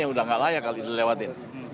jalannya sudah tidak layak kali dilewati